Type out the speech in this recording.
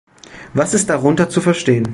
Was ist darunter zu verstehen?